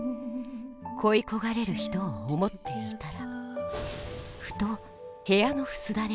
「恋焦がれる人を思っていたらふと部屋の簾が動く。